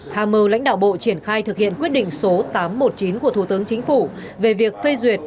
tham mưu lãnh đạo bộ triển khai thực hiện quyết định số tám trăm một mươi chín của thủ tướng chính phủ về việc phê duyệt